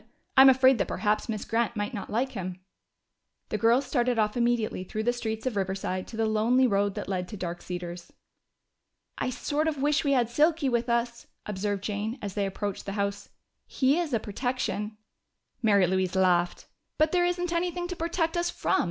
"I'm afraid that perhaps Miss Grant might not like him." The girls started off immediately through the streets of Riverside to the lonely road that led to Dark Cedars. "I sort of wish we had Silky with us," observed Jane as they approached the house. "He is a protection." Mary Louise laughed. "But there isn't anything to protect us from!